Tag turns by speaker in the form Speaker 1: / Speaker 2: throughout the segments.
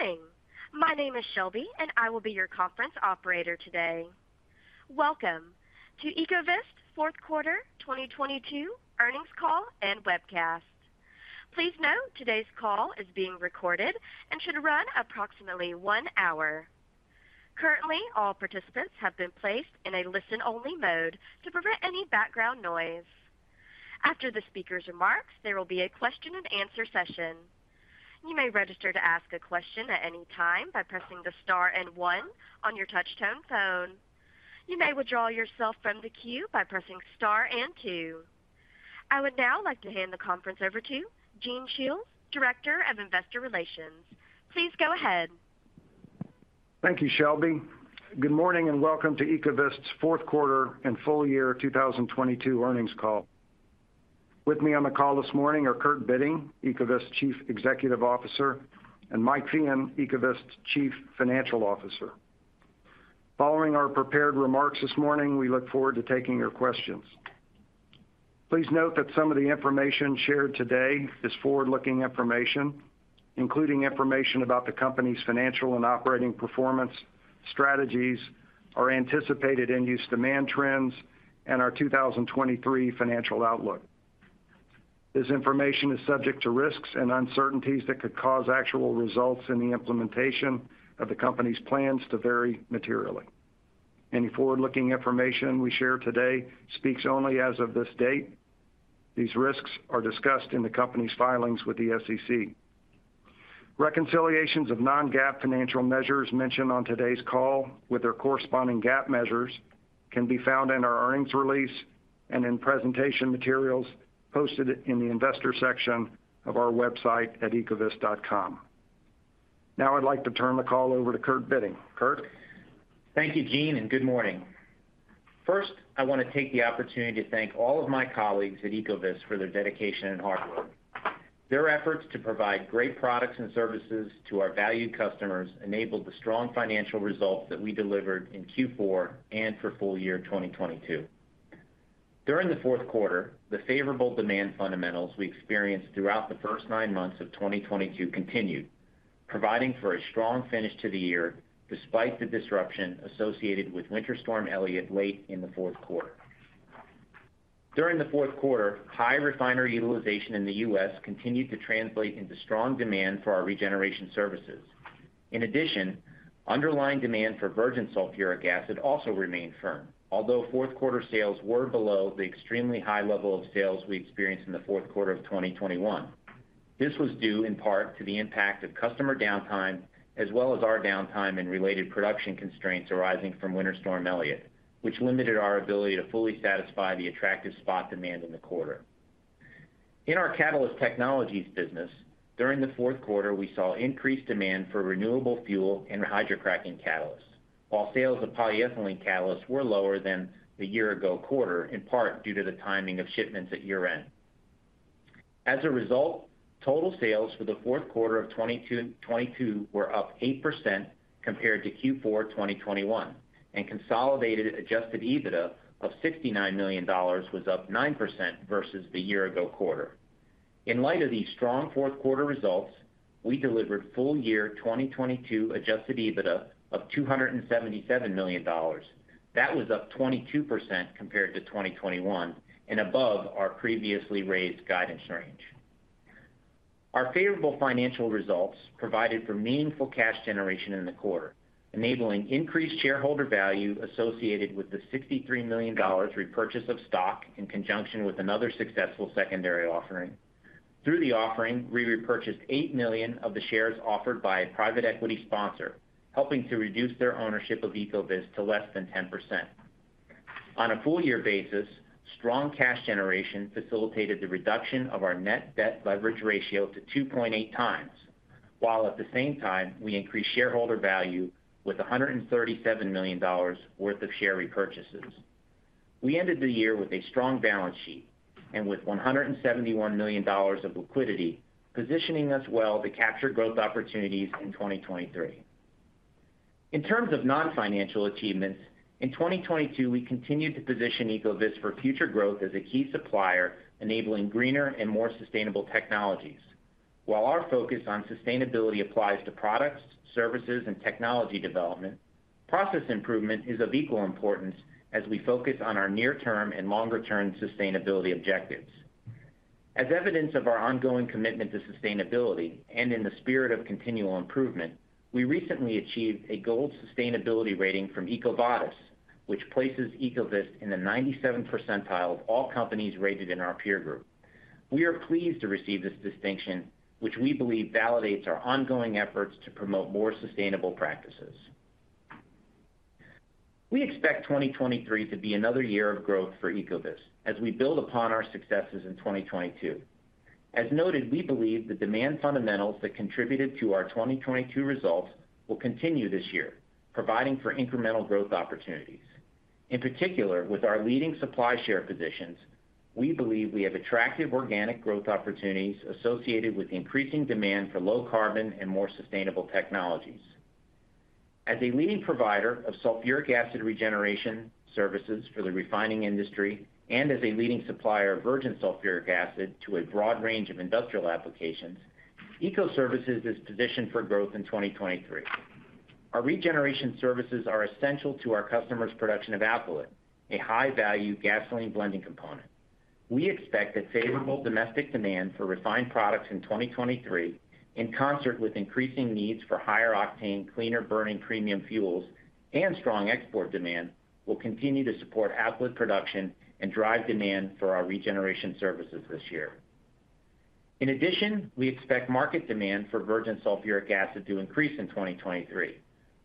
Speaker 1: Good morning. My name is Shelby, and I will be your conference operator today. Welcome to Ecovyst's fourth quarter 2022 earnings call and webcast. Please note today's call is being recorded and should run approximately one hour. Currently, all participants have been placed in a listen-only mode to prevent any background noise. After the speaker's remarks, there will be a question-and-answer session. You may register to ask a question at any time by pressing the star and one on your touch-tone phone. You may withdraw yourself from the queue by pressing star and two. I would now like to hand the conference over to Gene Shields, Director of Investor Relations. Please go ahead.
Speaker 2: Thank you, Shelby. Good morning and welcome to Ecovyst's fourth quarter and full year 2022 earnings call. With me on the call this morning are Kurt Bitting, Ecovyst Chief Executive Officer, and Mike Feehan, Ecovyst Chief Financial Officer. Following our prepared remarks this morning, we look forward to taking your questions. Please note that some of the information shared today is forward-looking information, including information about the company's financial and operating performance, strategies, or anticipated end-use demand trends, and our 2023 financial outlook. This information is subject to risks and uncertainties that could cause actual results in the implementation of the company's plans to vary materially. Any forward-looking information we share today speaks only as of this date. These risks are discussed in the company's filings with the SEC. Reconciliations of non-GAAP financial measures mentioned on today's call with their corresponding GAAP measures can be found in our earnings release and in presentation materials posted in the investor section of our website at ecovyst.com. Now I'd like to turn the call over to Kurt Bitting. Kurt?
Speaker 3: Thank you, Gene. Good morning. First, I wanna take the opportunity to thank all of my colleagues at Ecovyst for their dedication and hard work. Their efforts to provide great products and services to our valued customers enabled the strong financial results that we delivered in Q4 and for full year 2022. During the fourth quarter, the favorable demand fundamentals we experienced throughout the first nine months of 2022 continued, providing for a strong finish to the year despite the disruption associated with Winter Storm Elliott late in the fourth quarter. During the fourth quarter, high refinery utilization in the U.S. continued to translate into strong demand for our regeneration services. Underlying demand for virgin sulfuric acid also remained firm, although fourth quarter sales were below the extremely high level of sales we experienced in the fourth quarter of 2021. This was due in part to the impact of customer downtime as well as our downtime and related production constraints arising from Winter Storm Elliott, which limited our ability to fully satisfy the attractive spot demand in the quarter. In our Catalyst Technologies business, during the fourth quarter, we saw increased demand for renewable fuel and hydrocracking catalysts. Sales of polyethylene catalysts were lower than the year ago quarter, in part due to the timing of shipments at year-end. Total sales for the fourth quarter of 2022 were up 8% compared to Q4 2021, and consolidated adjusted EBITDA of $69 million was up 9% versus the year ago quarter. In light of these strong fourth quarter results, we delivered full year 2022 adjusted EBITDA of $277 million. That was up 22% compared to 2021 and above our previously raised guidance range. Our favorable financial results provided for meaningful cash generation in the quarter, enabling increased shareholder value associated with the $63 million repurchase of stock in conjunction with another successful secondary offering. Through the offering, we repurchased 8 million of the shares offered by a private equity sponsor, helping to reduce their ownership of Ecovyst to less than 10%. On a full year basis, strong cash generation facilitated the reduction of our net debt leverage ratio to 2.8x, while at the same time, we increased shareholder value with $137 million worth of share repurchases. We ended the year with a strong balance sheet and with $171 million of liquidity, positioning us well to capture growth opportunities in 2023. In terms of non-financial achievements, in 2022, we continued to position Ecovyst for future growth as a key supplier enabling greener and more sustainable technologies. While our focus on sustainability applies to products, services, and technology development, process improvement is of equal importance as we focus on our near-term and longer-term sustainability objectives. As evidence of our ongoing commitment to sustainability and in the spirit of continual improvement, we recently achieved a gold sustainability rating from EcoVadis, which places Ecovyst in the 97% of all companies rated in our peer group. We are pleased to receive this distinction, which we believe validates our ongoing efforts to promote more sustainable practices. We expect 2023 to be another year of growth for Ecovyst as we build upon our successes in 2022. As noted, we believe the demand fundamentals that contributed to our 2022 results will continue this year, providing for incremental growth opportunities. In particular, with our leading supply share positions, we believe we have attractive organic growth opportunities associated with increasing demand for low carbon and more sustainable technologies. As a leading provider of sulfuric acid regeneration services for the refining industry, and as a leading supplier of virgin sulfuric acid to a broad range of industrial applications, Ecoservices is positioned for growth in 2023. Our regeneration services are essential to our customers' production of alkylate, a high-value gasoline blending component. We expect that favorable domestic demand for refined products in 2023, in concert with increasing needs for higher octane, cleaner burning premium fuels, and strong export demand, will continue to support alkylate production and drive demand for our regeneration services this year. In addition, We expect market demand for virgin sulfuric acid to increase in 2023,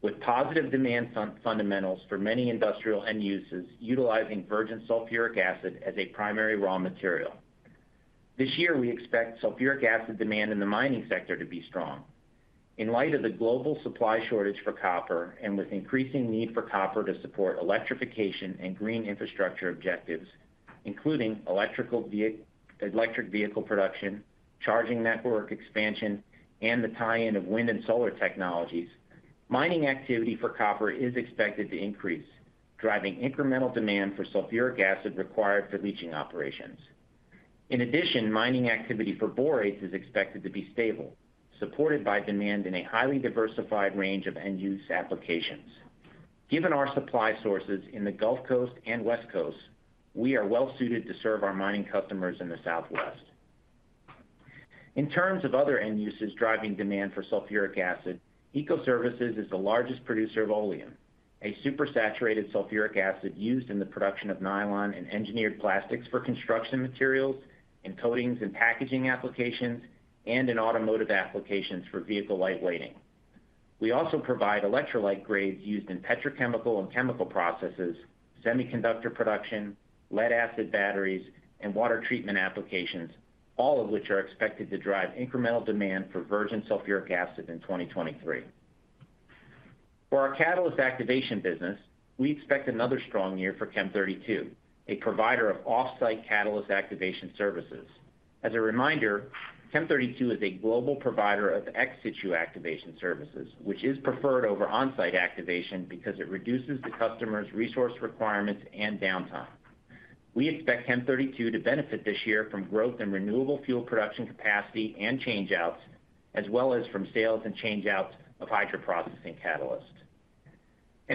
Speaker 3: with positive demand fundamentals for many industrial end uses utilizing virgin sulfuric acid as a primary raw material. This year, we expect sulfuric acid demand in the mining sector to be strong. In light of the global supply shortage for copper, and with increasing need for copper to support electrification and green infrastructure objectives, including electric vehicle production, charging network expansion, and the tie-in of wind and solar technologies, mining activity for copper is expected to increase, driving incremental demand for sulfuric acid required for leaching operations. Mining activity for borates is expected to be stable, supported by demand in a highly diversified range of end-use applications. Given our supply sources in the Gulf Coast and West Coast, we are well suited to serve our mining customers in the Southwest. In terms of other end uses driving demand for sulfuric acid, Ecoservices is the largest producer of oleum, a supersaturated sulfuric acid used in the production of nylon and engineered plastics for construction materials, in coatings and packaging applications, and in automotive applications for vehicle light-weighting. We also provide electrolyte grades used in petrochemical and chemical processes, semiconductor production, lead-acid batteries, and water treatment applications, all of which are expected to drive incremental demand for virgin sulfuric acid in 2023. For our catalyst activation business, we expect another strong year for Chem32, a provider of off-site catalyst activation services. As a reminder, Chem32 is a global provider of ex-situ activation services, which is preferred over on-site activation because it reduces the customer's resource requirements and downtime. We expect Chem32 to benefit this year from growth in renewable fuel production capacity and changeouts, as well as from sales and changeouts of hydroprocessing catalysts.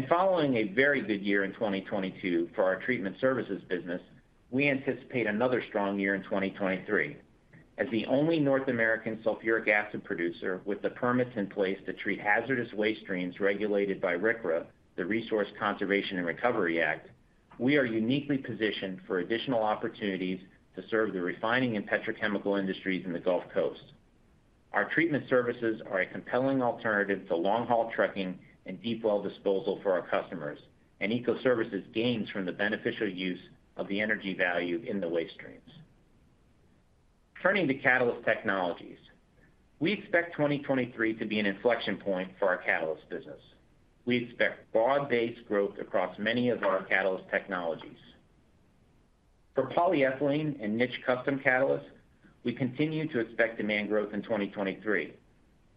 Speaker 3: Following a very good year in 2022 for our treatment services business, we anticipate another strong year in 2023. As the only North American sulfuric acid producer with the permits in place to treat hazardous waste streams regulated by RCRA, the Resource Conservation and Recovery Act, we are uniquely positioned for additional opportunities to serve the refining and petrochemical industries in the Gulf Coast. Our treatment services are a compelling alternative to long-haul trucking and deep-well disposal for our customers. EcoServices gains from the beneficial use of the energy value in the waste streams. Turning to Catalyst Technologies, we expect 2023 to be an inflection point for our catalyst business. We expect broad-based growth across many of our Catalyst Technologies. For polyethylene and niche custom catalysts, we continue to expect demand growth in 2023.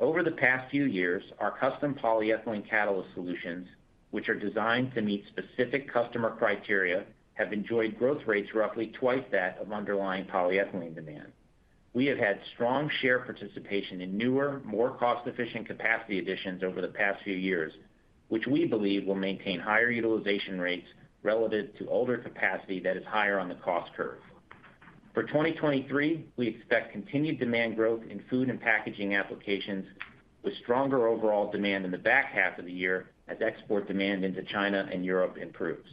Speaker 3: Over the past few years, our custom polyethylene catalyst solutions, which are designed to meet specific customer criteria, have enjoyed growth rates roughly twice that of underlying polyethylene demand. We have had strong share participation in newer, more cost-efficient capacity additions over the past few years, which we believe will maintain higher utilization rates relative to older capacity that is higher on the cost curve. For 2023, we expect continued demand growth in food and packaging applications with stronger overall demand in the back half of the year as export demand into China and Europe improves.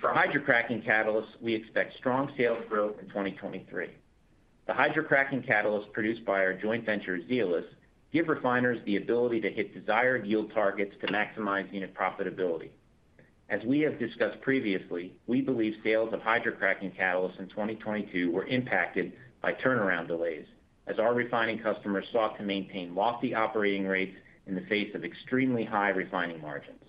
Speaker 3: For hydrocracking catalysts, we expect strong sales growth in 2023. The hydrocracking catalysts produced by our joint venture, Zeolyst, give refiners the ability to hit desired yield targets to maximize unit profitability. As we have discussed previously, we believe sales of hydrocracking catalysts in 2022 were impacted by turnaround delays, as our refining customers sought to maintain lofty operating rates in the face of extremely high refining margins.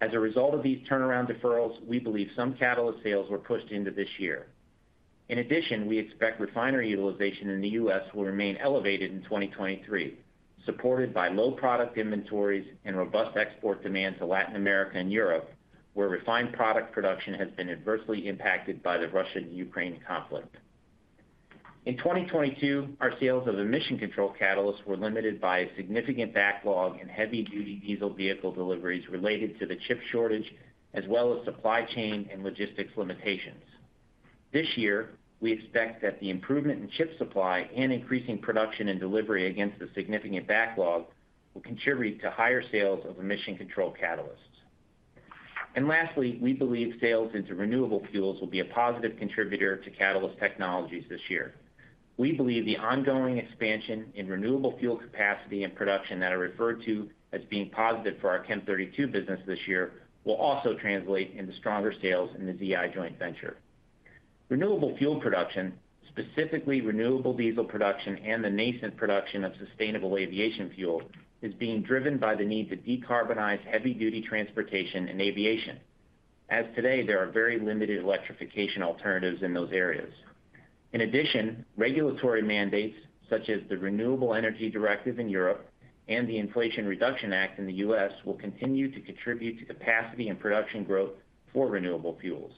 Speaker 3: As a result of these turnaround deferrals, we believe some catalyst sales were pushed into this year. In addition, we expect refinery utilization in the U.S. will remain elevated in 2023, supported by low product inventories and robust export demand to Latin America and Europe, where refined product production has been adversely impacted by the Russia-Ukraine conflict. In 2022, our sales of emission control catalysts were limited by a significant backlog in heavy-duty diesel vehicle deliveries related to the chip shortage, as well as supply chain and logistics limitations. This year, we expect that the improvement in chip supply and increasing production and delivery against a significant backlog will contribute to higher sales of emission control catalysts. Lastly, we believe sales into renewable fuels will be a positive contributor to Catalyst Technologies this year. We believe the ongoing expansion in renewable fuel capacity and production that I referred to as being positive for our Chem32 business this year will also translate into stronger sales in the Zeolyst joint venture. Renewable fuel production, specifically renewable diesel production and the nascent production of sustainable aviation fuel, is being driven by the need to decarbonize heavy-duty transportation and aviation. As today, there are very limited electrification alternatives in those areas. In addition, regulatory mandates such as the Renewable Energy Directive in Europe and the Inflation Reduction Act in the U.S. will continue to contribute to capacity and production growth for renewable fuels.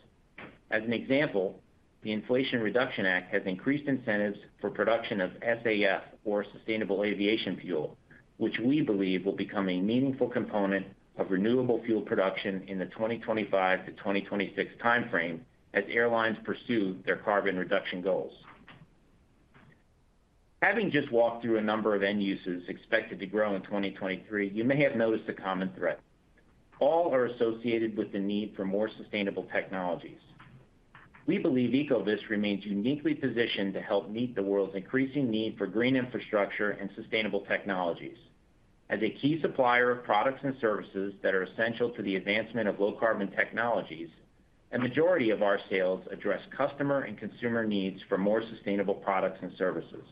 Speaker 3: As an example, the Inflation Reduction Act has increased incentives for production of SAF or sustainable aviation fuel, which we believe will become a meaningful component of renewable fuel production in the 2025-2026 time frame as airlines pursue their carbon reduction goals. Having just walked through a number of end users expected to grow in 2023, you may have noticed a common thread. All are associated with the need for more sustainable technologies. We believe Ecovyst remains uniquely positioned to help meet the world's increasing need for green infrastructure and sustainable technologies. As a key supplier of products and services that are essential to the advancement of low carbon technologies, a majority of our sales address customer and consumer needs for more sustainable products and services.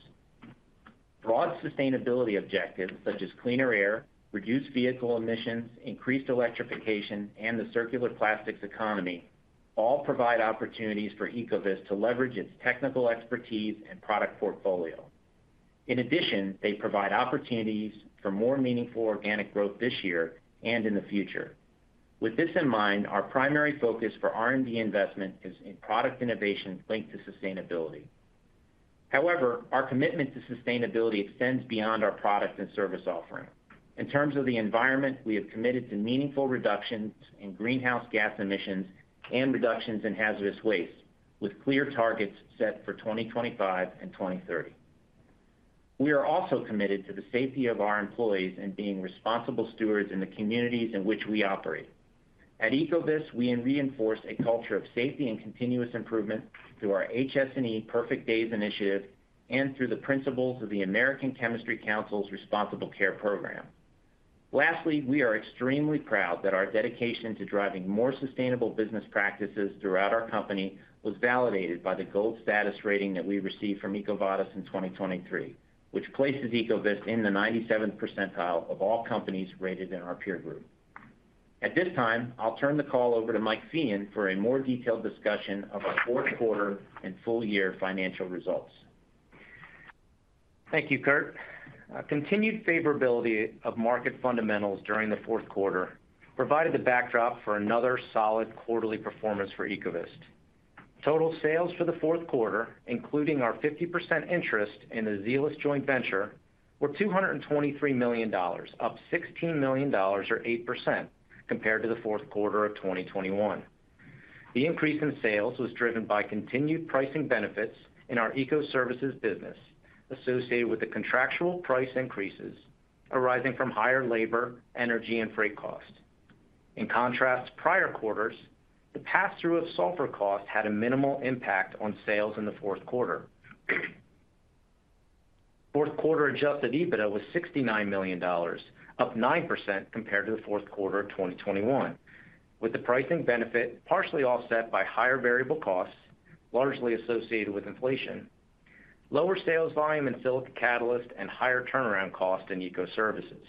Speaker 3: Broad sustainability objectives such as cleaner air, reduced vehicle emissions, increased electrification, and the circular plastics economy all provide opportunities for Ecovyst to leverage its technical expertise and product portfolio. They provide opportunities for more meaningful organic growth this year and in the future. With this in mind, our primary focus for R&D investment is in product innovation linked to sustainability. Our commitment to sustainability extends beyond our product and service offering. In terms of the environment, we have committed to meaningful reductions in greenhouse gas emissions and reductions in hazardous waste, with clear targets set for 2025 and 2030. We are also committed to the safety of our employees in being responsible stewards in the communities in which we operate. At Ecovyst, we reinforce a culture of safety and continuous improvement through our HSE Perfect Days initiative and through the principles of the American Chemistry Council's Responsible Care program. We are extremely proud that our dedication to driving more sustainable business practices throughout our company was validated by the gold status rating that we received from EcoVadis in 2023, which places Ecovyst in the 97th percentile of all companies rated in our peer group. At this time, I'll turn the call over to Mike Feehan for a more detailed discussion of our fourth quarter and full year financial results.
Speaker 4: Thank you, Kurt. Continued favorability of market fundamentals during the fourth quarter provided the backdrop for another solid quarterly performance for Ecovyst. Total sales for the fourth quarter, including our 50% interest in the Zeolyst joint venture, were $223 million, up $16 million or 8% compared to the fourth quarter of 2021. The increase in sales was driven by continued pricing benefits in our Ecoservices business associated with the contractual price increases arising from higher labor, energy, and freight costs. In contrast, prior quarters, the pass-through of sulfur costs had a minimal impact on sales in the fourth quarter. Fourth quarter adjusted EBITDA was $69 million, up 9% compared to the fourth quarter of 2021, with the pricing benefit partially offset by higher variable costs, largely associated with inflation, lower sales volume in silica catalyst, and higher turnaround costs in Ecoservices.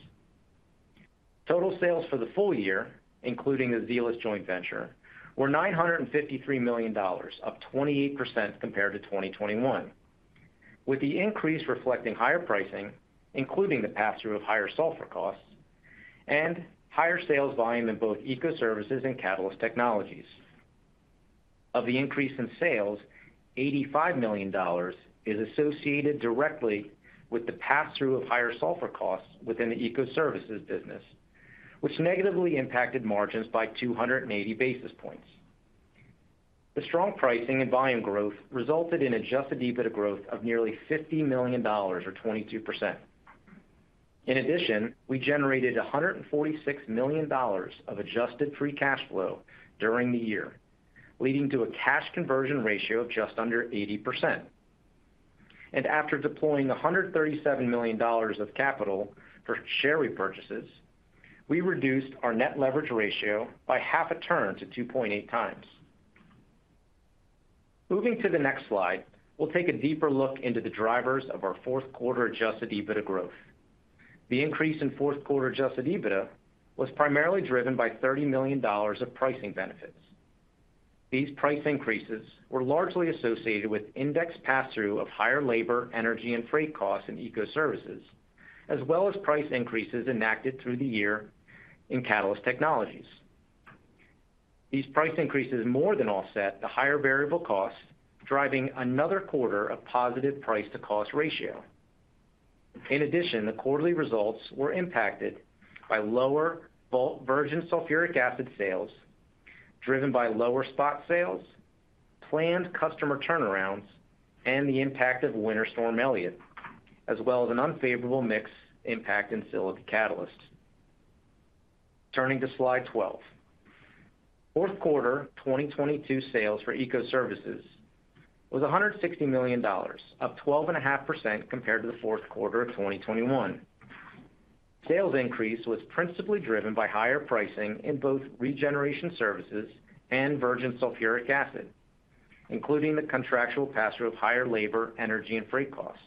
Speaker 4: Total sales for the full year, including the Zeolyst joint venture, were $953 million, up 28% compared to 2021, with the increase reflecting higher pricing, including the pass-through of higher sulfur costs and higher sales volume in both Ecoservices and Catalyst Technologies. Of the increase in sales, $85 million is associated directly with the pass-through of higher sulfur costs within the Ecoservices business, which negatively impacted margins by 280 basis points. The strong pricing and volume growth resulted in adjusted EBITDA growth of nearly $50 million, or 22%. In addition, we generated $146 million of adjusted free cash flow during the year, leading to a cash conversion ratio of just under 80%. After deploying $137 million of capital for share repurchases, we reduced our net leverage ratio by half a turn to 2.8x. Moving to the next slide, we'll take a deeper look into the drivers of our fourth quarter adjusted EBITDA growth. The increase in fourth quarter adjusted EBITDA was primarily driven by $30 million of pricing benefits. These price increases were largely associated with index pass-through of higher labor, energy, and freight costs in Ecoservices, as well as price increases enacted through the year in Catalyst Technologies. These price increases more than offset the higher variable costs, driving another quarter of positive price-to-cost ratio. In addition, the quarterly results were impacted by lower bulk virgin sulfuric acid sales, driven by lower spot sales, planned customer turnarounds, and the impact of Winter Storm Elliott, as well as an unfavorable mix impact in silica catalysts. Turning to slide 12. Fourth quarter 2022 sales for Ecoservices was $160 million, up 12.5% compared to the fourth quarter of 2021. Sales increase was principally driven by higher pricing in both regeneration services and virgin sulfuric acid, including the contractual pass-through of higher labor, energy, and freight costs.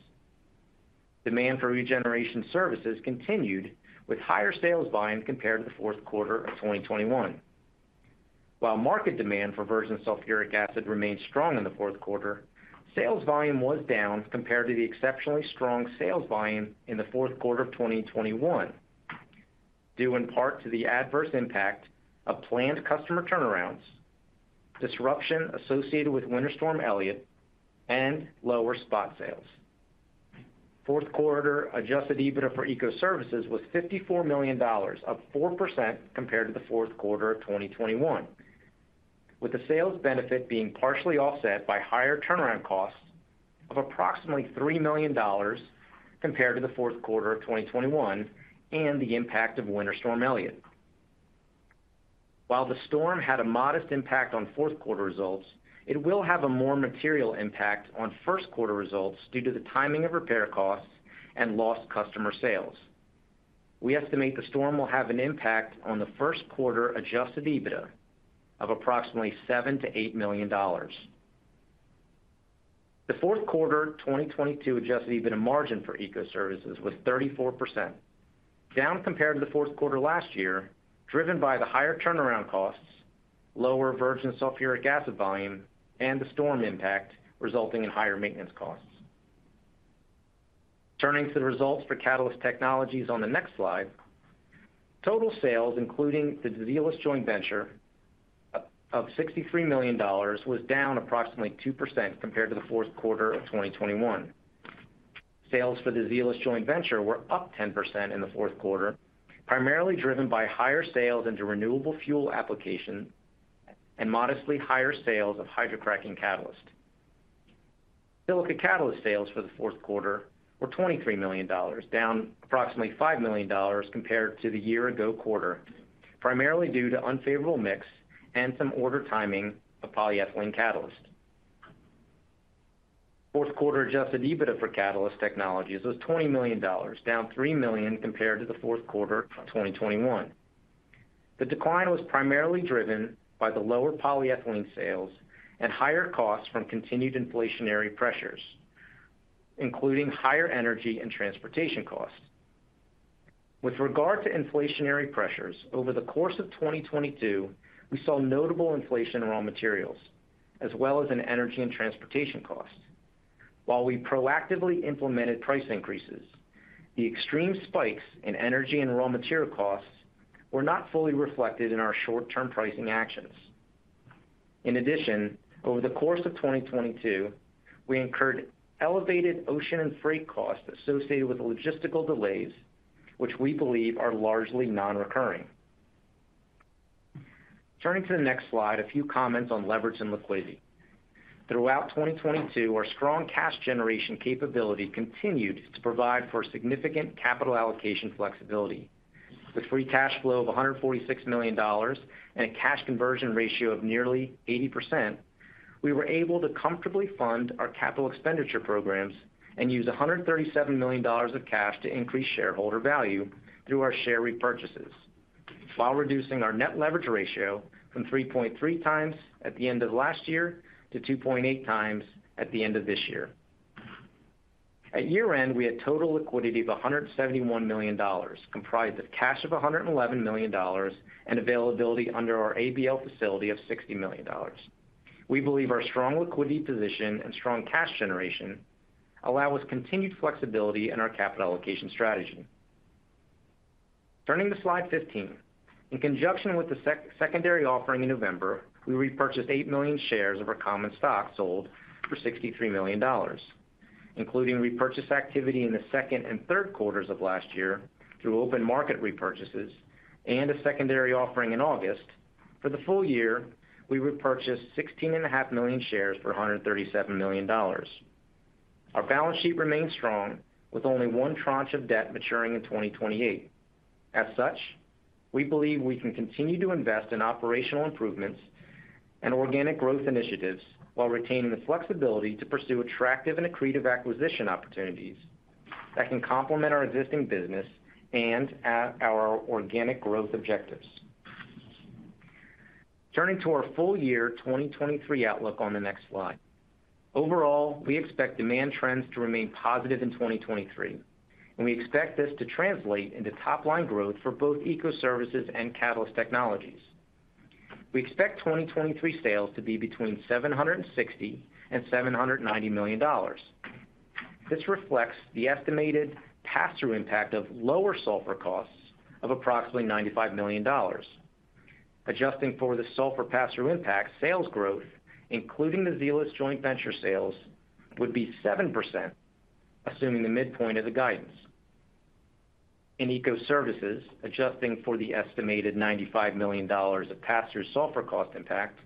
Speaker 4: Demand for regeneration services continued with higher sales volume compared to the fourth quarter of 2021. While market demand for virgin sulfuric acid remained strong in the fourth quarter, sales volume was down compared to the exceptionally strong sales volume in the fourth quarter of 2021, due in part to the adverse impact of planned customer turnarounds, disruption associated with Winter Storm Elliott, and lower spot sales. Fourth quarter adjusted EBITDA for Ecoservices was $54 million, up 4% compared to the fourth quarter of 2021, with the sales benefit being partially offset by higher turnaround costs of approximately $3 million compared to the fourth quarter of 2021 and the impact of Winter Storm Elliott. While the storm had a modest impact on fourth quarter results, it will have a more material impact on first quarter results due to the timing of repair costs and lost customer sales. We estimate the storm will have an impact on the first quarter adjusted EBITDA of approximately $7 million-$8 million. The fourth quarter 2022 adjusted EBITDA margin for Ecoservices was 34%, down compared to the fourth quarter last year, driven by the higher turnaround costs, lower virgin sulfuric acid volume, and the storm impact resulting in higher maintenance costs. Turning to the results for Catalyst Technologies on the next slide, total sales including the Zeolyst joint venture of $63 million was down approximately 2% compared to the fourth quarter of 2021. Sales for the Zeolyst joint venture were up 10% in the fourth quarter, primarily driven by higher sales into renewable fuel application and modestly higher sales of hydrocracking catalyst. Silica catalyst sales for the fourth quarter were $23 million, down approximately $5 million compared to the year ago quarter, primarily due to unfavorable mix and some order timing of polyethylene catalyst. Fourth quarter adjusted EBITDA for Catalyst Technologies was $20 million, down $3 million compared to the fourth quarter of 2021. The decline was primarily driven by the lower polyethylene sales and higher costs from continued inflationary pressures, including higher energy and transportation costs. With regard to inflationary pressures, over the course of 2022, we saw notable inflation in raw materials as well as in energy and transportation costs. While we proactively implemented price increases, the extreme spikes in energy and raw material costs were not fully reflected in our short-term pricing actions. Over the course of 2022, we incurred elevated ocean and freight costs associated with logistical delays, which we believe are largely non-recurring. Turning to the next slide, a few comments on leverage and liquidity. Throughout 2022, our strong cash generation capability continued to provide for significant capital allocation flexibility. With free cash flow of $146 million and a cash conversion ratio of nearly 80%, we were able to comfortably fund our capital expenditure programs and use $137 million of cash to increase shareholder value through our share repurchases while reducing our net leverage ratio from 3.3x at the end of last year to 2.8x at the end of this year. At year-end, we had total liquidity of $171 million, comprised of cash of $111 million and availability under our ABL facility of $60 million. We believe our strong liquidity position and strong cash generation allow us continued flexibility in our capital allocation strategy. Turning to slide 15. In conjunction with the secondary offering in November, we repurchased 8 million shares of our common stock sold for $63 million, including repurchase activity in the 2nd and 3rd quarters of last year through open market repurchases and a secondary offering in August. For the full year, we repurchased 16.5 million shares for $137 million. Our balance sheet remains strong, with only one tranche of debt maturing in 2028. As such, we believe we can continue to invest in operational improvements and organic growth initiatives while retaining the flexibility to pursue attractive and accretive acquisition opportunities that can complement our existing business and at our organic growth objectives. Turning to our full year 2023 outlook on the next slide. We expect demand trends to remain positive in 2023, and we expect this to translate into top line growth for both Ecoservices and Catalyst Technologies. We expect 2023 sales to be between $760 million and $790 million. This reflects the estimated pass-through impact of lower sulfur costs of approximately $95 million. Adjusting for the sulfur pass-through impact, sales growth, including the Zeolyst joint venture sales, would be 7%, assuming the midpoint of the guidance. In Ecoservices, adjusting for the estimated $95 million of pass-through sulfur cost impact,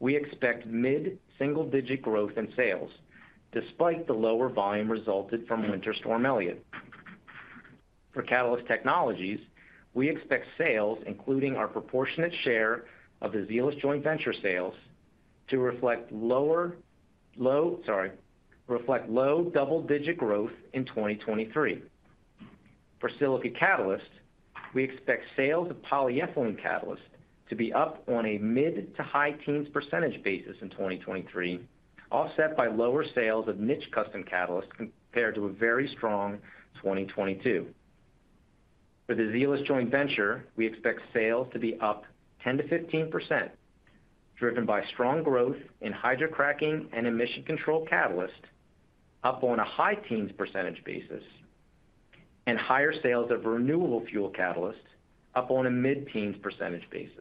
Speaker 4: we expect mid-single digit growth in sales despite the lower volume resulted from Winter Storm Elliott. For Catalyst Technologies, we expect sales, including our proportionate share of the Zeolyst joint venture sales, to reflect low double-digit growth in 2023. For silica catalysts, we expect sales of polyethylene catalysts to be up on a mid to high teens percentage basis in 2023, offset by lower sales of niche custom catalysts compared to a very strong 2022. For the Zeolyst joint venture, we expect sales to be up 10%-15%, driven by strong growth in hydrocracking and emission control catalyst up on a high teens percentage basis, and higher sales of renewable fuel catalyst up on a mid-teens percentage basis.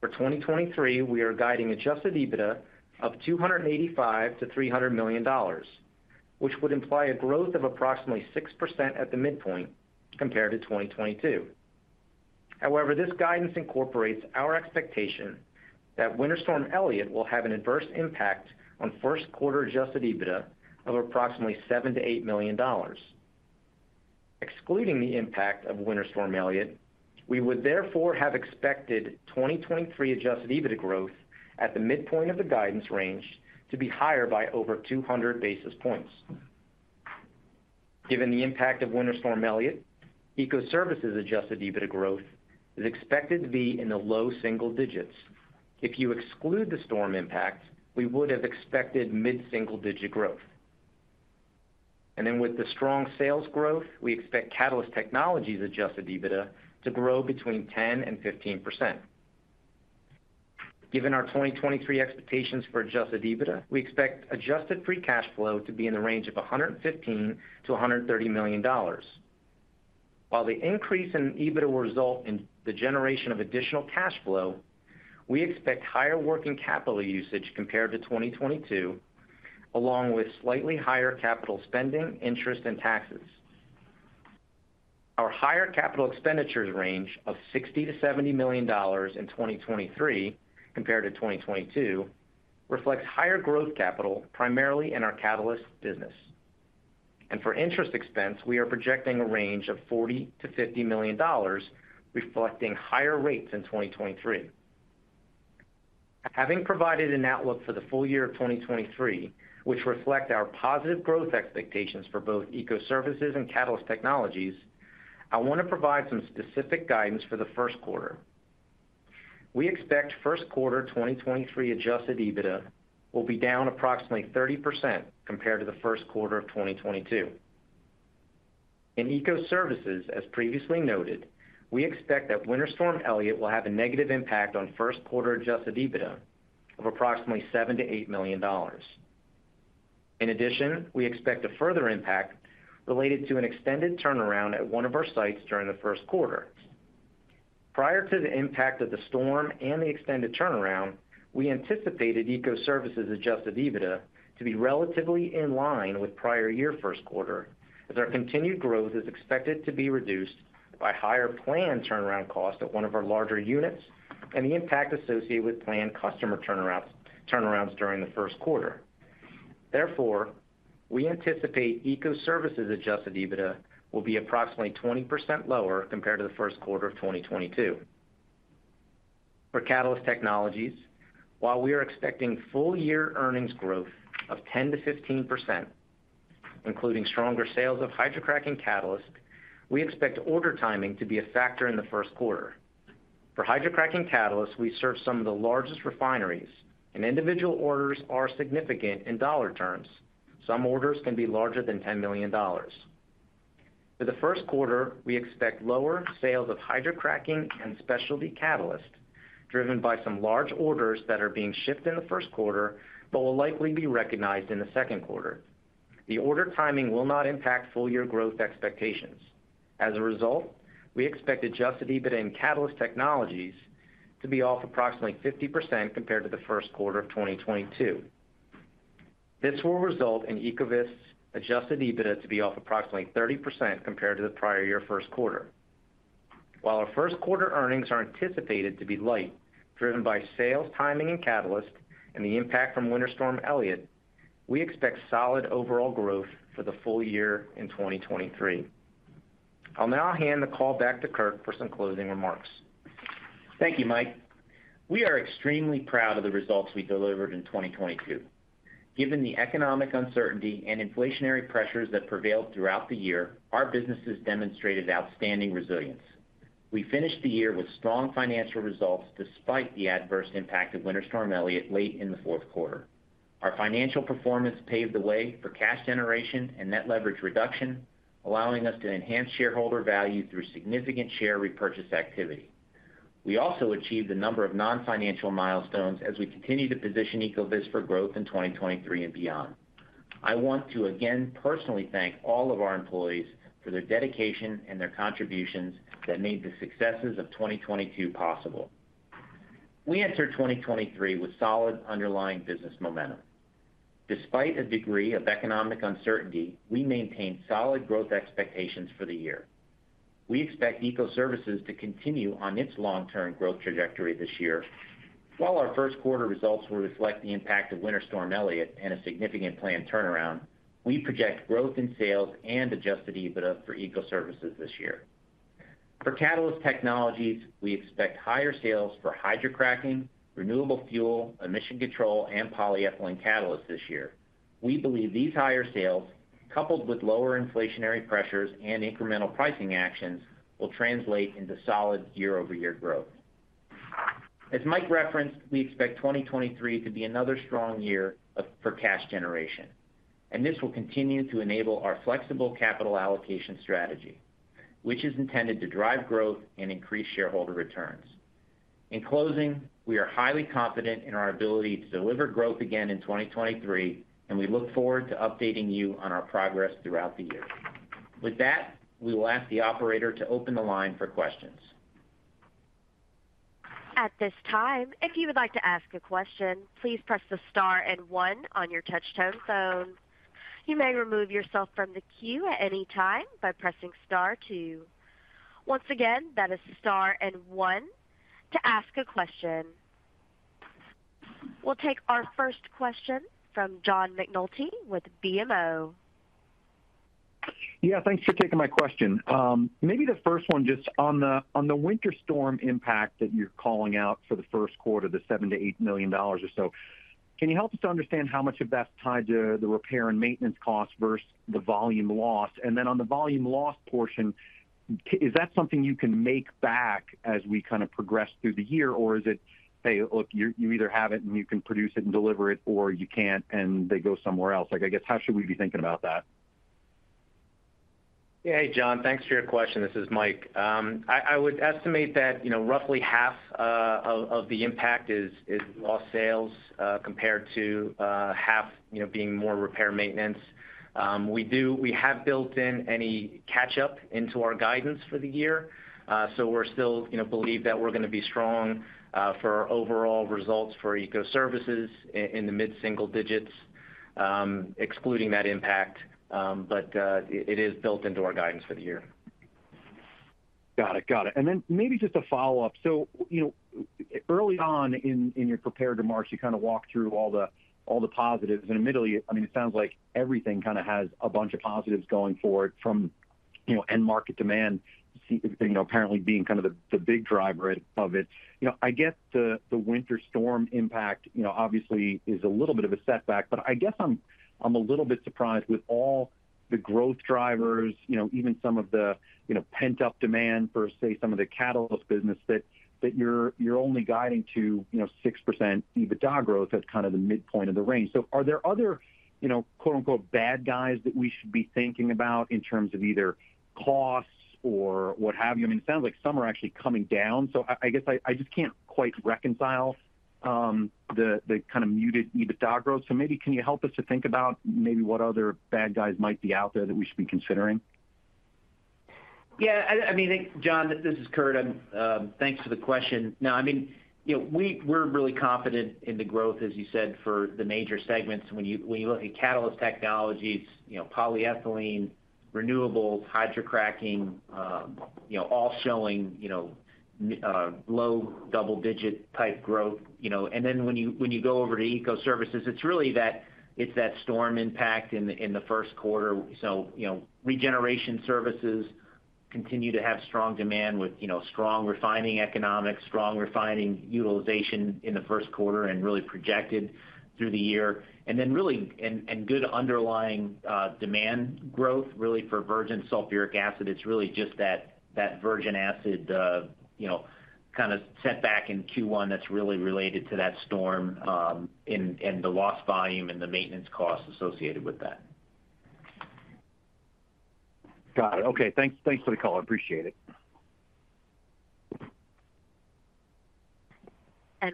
Speaker 4: For 2023, we are guiding adjusted EBITDA of $285 million-$300 million, which would imply a growth of approximately 6% at the midpoint compared to 2022. However, this guidance incorporates our expectation that Winter Storm Elliott will have an adverse impact on first quarter adjusted EBITDA of approximately $7 million-$8 million. Excluding the impact of Winter Storm Elliott, we would therefore have expected 2023 adjusted EBITDA growth at the midpoint of the guidance range to be higher by over 200 basis points. Given the impact of Winter Storm Elliott, Ecoservices adjusted EBITDA growth is expected to be in the low single digits. If you exclude the storm impact, we would have expected mid-single-digit growth. With the strong sales growth, we expect Catalyst Technologies adjusted EBITDA to grow between 10% and 15%. Given our 2023 expectations for adjusted EBITDA, we expect adjusted free cash flow to be in the range of $115 million-$130 million. While the increase in EBITDA will result in the generation of additional cash flow, we expect higher working capital usage compared to 2022, along with slightly higher capital spending, interest, and taxes. Our higher capital expenditures range of $60 million-$70 million in 2023 compared to 2022 reflects higher growth capital primarily in our catalyst business. For interest expense, we are projecting a range of $40 million-$50 million, reflecting higher rates in 2023. Having provided an outlook for the full year of 2023, which reflect our positive growth expectations for both Ecoservices and Catalyst Technologies, I want to provide some specific guidance for the first quarter. We expect first quarter 2023 adjusted EBITDA will be down approximately 30% compared to the first quarter of 2022. In Ecoservices, as previously noted, we expect that Winter Storm Elliott will have a negative impact on first quarter adjusted EBITDA of approximately $7 million-$8 million. We expect a further impact related to an extended turnaround at one of our sites during the first quarter. Prior to the impact of the storm and the extended turnaround, we anticipated Ecoservices adjusted EBITDA to be relatively in line with prior year first quarter, as our continued growth is expected to be reduced by higher planned turnaround cost at one of our larger units and the impact associated with planned customer turnarounds during the first quarter. We anticipate Ecoservices adjusted EBITDA will be approximately 20% lower compared to the first quarter of 2022. For Catalyst Technologies, while we are expecting full-year earnings growth of 10%-15%, including stronger sales of hydrocracking catalyst, we expect order timing to be a factor in the first quarter. For hydrocracking catalyst, we serve some of the largest refineries, and individual orders are significant in dollar terms. Some orders can be larger than $10 million. For the first quarter, we expect lower sales of hydrocracking and specialty catalyst driven by some large orders that are being shipped in the first quarter but will likely be recognized in the second quarter. The order timing will not impact full year growth expectations. As a result, we expect adjusted EBITDA in Catalyst Technologies to be off approximately 50% compared to the first quarter of 2022. This will result in Ecovyst adjusted EBITDA to be off approximately 30% compared to the prior year first quarter. While our first quarter earnings are anticipated to be light, driven by sales timing in Catalyst and the impact from Winter Storm Elliott, we expect solid overall growth for the full year in 2023. I'll now hand the call back to Kurt for some closing remarks.
Speaker 3: Thank you, Mike. We are extremely proud of the results we delivered in 2022. Given the economic uncertainty and inflationary pressures that prevailed throughout the year, our businesses demonstrated outstanding resilience. We finished the year with strong financial results despite the adverse impact of Winter Storm Elliott late in the fourth quarter. Our financial performance paved the way for cash generation and net leverage reduction, allowing us to enhance shareholder value through significant share repurchase activity. We also achieved a number of non-financial milestones as we continue to position Ecovyst for growth in 2023 and beyond. I want to again personally thank all of our employees for their dedication and their contributions that made the successes of 2022 possible. We enter 2023 with solid underlying business momentum. Despite a degree of economic uncertainty, we maintain solid growth expectations for the year. We expect Ecoservices to continue on its long-term growth trajectory this year. While our first quarter results will reflect the impact of Winter Storm Elliott and a significant planned turnaround, we project growth in sales and adjusted EBITDA for Ecoservices this year. For Catalyst Technologies, we expect higher sales for hydrocracking, renewable fuel, emission control, and polyethylene catalysts this year. We believe these higher sales, coupled with lower inflationary pressures and incremental pricing actions, will translate into solid year-over-year growth. As Mike referenced, we expect 2023 to be another strong year for cash generation. This will continue to enable our flexible capital allocation strategy, which is intended to drive growth and increase shareholder returns. In closing, we are highly confident in our ability to deliver growth again in 2023. We look forward to updating you on our progress throughout the year. With that, we will ask the operator to open the line for questions.
Speaker 1: At this time, if you would like to ask a question, please press the star and one on your touch-tone phone. You may remove yourself from the queue at any time by pressing star two. Once again, that is star and one to ask a question. We'll take our first question from John McNulty with BMO.
Speaker 5: Yeah, thanks for taking my question. Maybe the first one just on the winter storm impact that you're calling out for the first quarter, the $7 million-$8 million or so, can you help us understand how much of that's tied to the repair and maintenance costs versus the volume loss? Then on the volume loss portion, is that something you can make back as we kind of progress through the year? Is it, hey, look, you either have it and you can produce it and deliver it, or you can't, and they go somewhere else. Like, I guess, how should we be thinking about that?
Speaker 4: Yeah. John McNulty, thanks for your question. This is Mike Feehan. I would estimate that, you know, roughly half of the impact is lost sales, compared to half, you know, being more repair maintenance. We have built in any catch-up into our guidance for the year. We're still, you know, believe that we're gonna be strong for our overall results for Ecoservices in the mid-single digits, excluding that impact, it is built into our guidance for the year.
Speaker 5: Got it. Got it. Then maybe just a follow-up. You know, early on in your prepared remarks, you kinda walked through all the, all the positives. Admittedly, I mean, it sounds like everything kinda has a bunch of positives going forward from, you know, end market demand, you know, apparently being kind of the big driver of it. You know, I get the winter storm impact, you know, obviously is a little bit of a setback, but I guess I'm a little bit surprised with all the growth drivers, you know, even some of the, you know, pent-up demand for, say, some of the catalyst business that you're only guiding to, you know, 6% EBITDA growth at kind of the midpoint of the range. Are there other, you know, quote-unquote, "bad guys" that we should be thinking about in terms of either costs or what have you? I mean, it sounds like some are actually coming down. I guess I just can't quite reconcile the kind of muted EBITDA growth. Maybe can you help us to think about maybe what other bad guys might be out there that we should be considering?
Speaker 3: Yeah, I mean, John, this is Kurt. Thanks for the question. I mean, you know, we're really confident in the growth, as you said, for the major segments. When you, when you look at Catalyst Technologies, you know, polyethylene, renewables, hydrocracking, you know, all showing, you know, low double-digit type growth, you know. When you, when you go over to Ecoservices, it's really that storm impact in the first quarter. You know, Regeneration Services continue to have strong demand with, you know, strong refining economics, strong refining utilization in the first quarter, and really projected through the year. Really good underlying demand growth, really for virgin sulfuric acid. It's really just that virgin acid, you know, kinda set back in Q1 that's really related to that storm, and the lost volume and the maintenance costs associated with that.
Speaker 5: Got it. Okay. Thanks, thanks for the call. I appreciate it.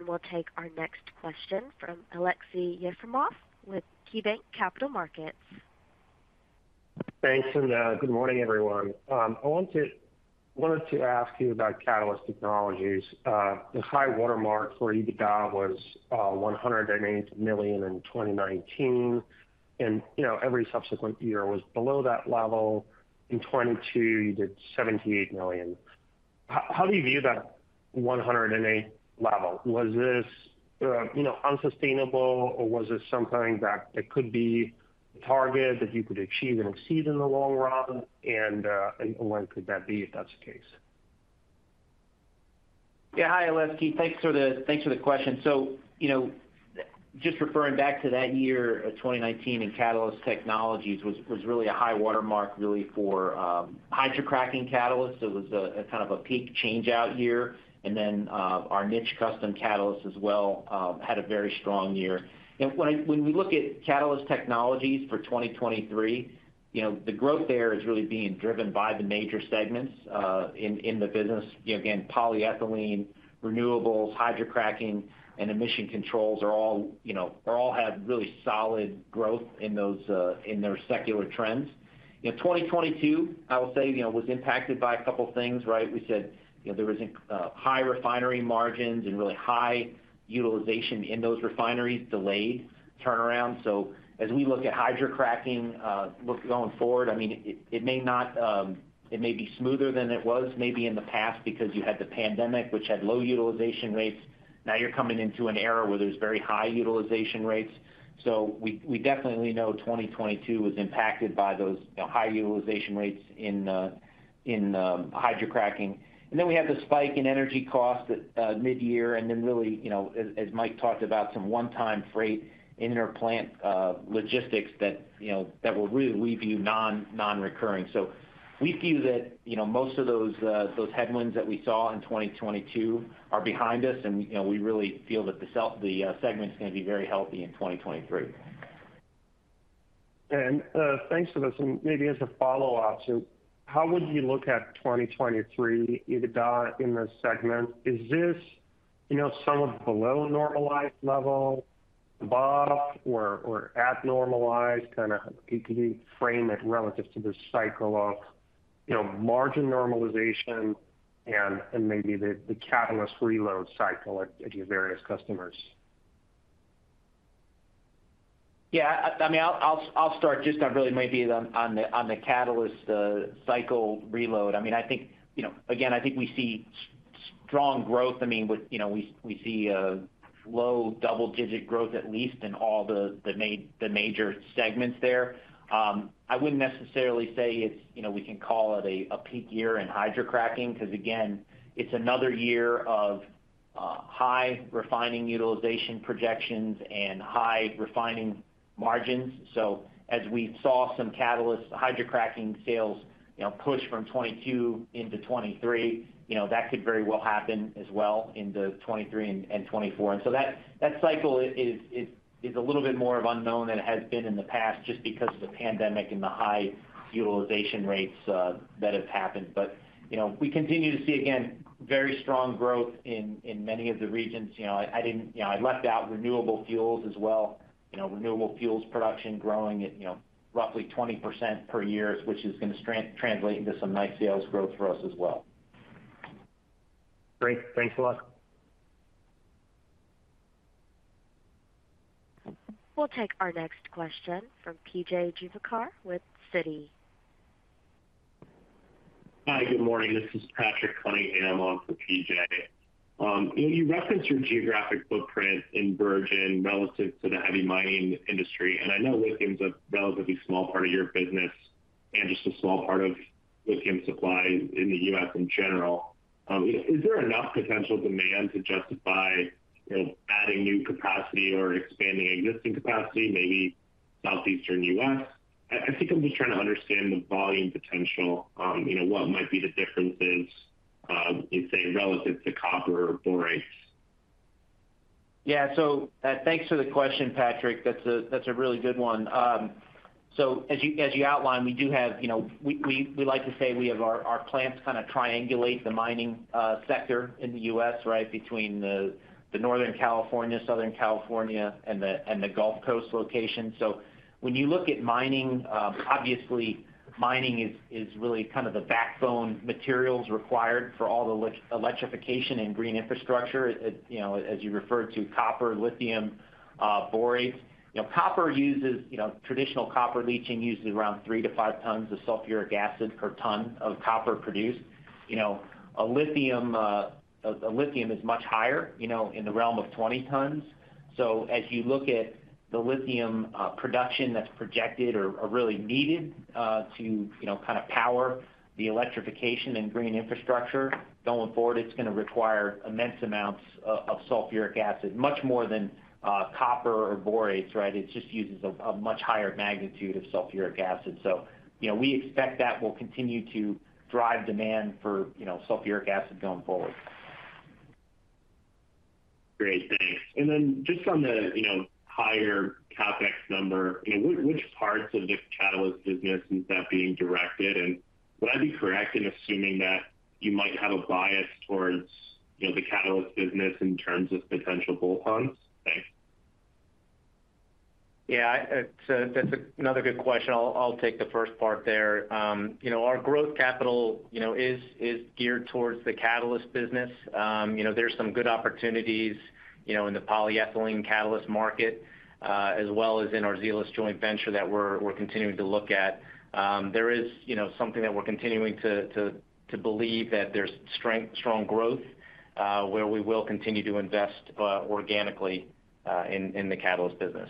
Speaker 1: We'll take our next question from Aleksey Yefremov with KeyBanc Capital Markets.
Speaker 6: Thanks, good morning, everyone. I wanted to ask you about Catalyst Technologies. The high watermark for EBITDA was $180 million in 2019, you know, every subsequent year was below that level. In 2022, you did $78 million. How do you view that $108 level? Was this, you know, unsustainable or was this something that could be a target that you could achieve and exceed in the long run? When could that be if that's the case?
Speaker 3: Hi, Aleksey Yefremov. Thanks for the, thanks for the question. Just referring back to that year of 2019 in Catalyst Technologies was really a high watermark really for hydrocracking catalyst. It was a kind of a peak change-out year. Our niche custom catalyst as well, had a very strong year. When we look at Catalyst Technologies for 2023, you know, the growth there is really being driven by the major segments in the business. Again, polyethylene, renewables, hydrocracking, and emission controls are all have really solid growth in those in their secular trends. 2022, I will say, you know, was impacted by a couple things, right? We said, you know, there was high refinery margins and really high utilization in those refineries, delayed turnaround. As we look at hydrocracking, look going forward, I mean, it may not, it may be smoother than it was maybe in the past because you had the pandemic, which had low utilization rates. Now you're coming into an era where there's very high utilization rates. We definitely know 2022 was impacted by those, you know, high utilization rates in hydrocracking. We have the spike in energy costs at midyear, and then really, you know, as Mike talked about, some onetime freight interplant logistics that, you know, that will really leave you non-recurring. We view that, you know, most of those headwinds that we saw in 2022 are behind us and, you know, we really feel that the segment's gonna be very healthy in 2023.
Speaker 6: Thanks for this, and maybe as a follow-up. How would you look at 2023 EBITDA in this segment? Is this, you know, somewhat below normalized level, above or at normalized kind of you could frame it relative to the cycle of, you know, margin normalization and maybe the catalyst reload cycle at your various customers?
Speaker 3: Yeah. I mean, I'll start just on really maybe on the catalyst cycle reload. I mean, I think, you know, again, I think we see strong growth. I mean, but, you know, we see low double-digit growth, at least in all the major segments there. I wouldn't necessarily say it's, you know, we can call it a peak year in hydrocracking because, again, it's another year of high refining utilization projections and high refining margins. As we saw some catalyst hydrocracking sales, you know, push from 2022 into 2023, you know, that could very well happen as well into 2023 and 2024. That cycle is a little bit more of unknown than it has been in the past just because of the pandemic and the high utilization rates that have happened. You know, we continue to see, again, very strong growth in many of the regions. You know, I didn't. You know, I left out renewable fuels as well. You know, renewable fuels production growing at, you know, roughly 20% per year, which is gonna translate into some nice sales growth for us as well.
Speaker 6: Great. Thanks a lot.
Speaker 1: We'll take our next question from P.J. Juvekar with Citi.
Speaker 7: Hi, good morning. This is Patrick Cunningham, and I'm on for PJ. You referenced your geographic footprint in Virgin relative to the heavy mining industry, and I know lithium is a relatively small part of your business and just a small part of lithium supply in the U.S. in general. Is there enough potential demand to justify, you know, adding new capacity or expanding existing capacity, maybe Southeastern U.S.? I think I'm just trying to understand the volume potential, you know, what might be the differences, you'd say relative to copper or borate.
Speaker 3: Thanks for the question, Patrick. That's a really good one. As you outlined, we do have, you know, we like to say we have our plants kinda triangulate the mining sector in the U.S., right? Between the Northern California, Southern California, and the Gulf Coast location. When you look at mining, obviously mining is really kind of the backbone materials required for all the electrification and green infrastructure, it, you know, as you referred to copper, lithium, borates. You know, copper uses, you know, traditional copper leaching uses around 3 tons to 5 tons of sulfuric acid per ton of copper produced. You know, a lithium is much higher, you know, in the realm of 20 tons. As you look at the lithium production that's projected or really needed to, you know, kind of power the electrification and green infrastructure going forward, it's gonna require immense amounts of sulfuric acid, much more than copper or borates, right? It just uses a much higher magnitude of sulfuric acid. You know, we expect that will continue to drive demand for, you know, sulfuric acid going forward.
Speaker 7: Great. Thanks. Then just on the, you know, higher CapEx number, you know, which parts of the catalyst business is that being directed? Would I be correct in assuming that you might have a bias towards, you know, the catalyst business in terms of potential bolt-ons? Thanks.
Speaker 3: Yeah. That's another good question. I'll take the first part there. you know, our growth capital, you know, is geared towards the catalyst business. you know, there's some good opportunities, you know, in the polyethylene catalyst market, as well as in our Zeolyst joint venture that we're continuing to look at. there is, you know, something that we're continuing to believe that there's strong growth, where we will continue to invest organically in the catalyst business.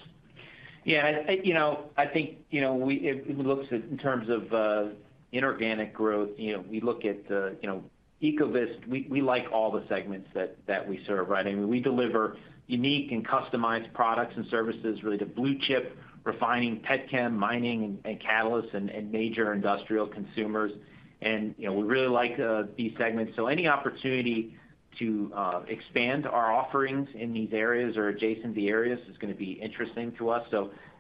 Speaker 3: Yeah. you know, I think, you know, if we look at in terms of inorganic growth, you know, we look at, you know, Ecovyst, we like all the segments that we serve, right? I mean, we deliver unique and customized products and services really to blue chip refining petchem mining and catalysts and major industrial consumers. You know, we really like these segments. Any opportunity to expand our offerings in these areas or adjacent the areas is gonna be interesting to us.